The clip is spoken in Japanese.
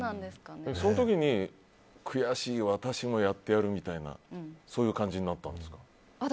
その時に悔しい私もやってやるみたいなそういう感じになったんですか？